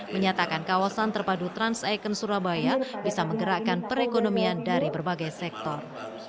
menyatakan kawasan terpadu trans icon surabaya bisa menggerakkan perekonomian dari berbagai sektor